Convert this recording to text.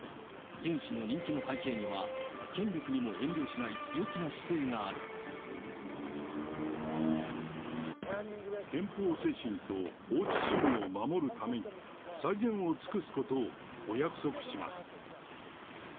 ユン氏の人気の背景には、権力に憲法精神と法治主義を守るために、最善を尽くすことをお約束します。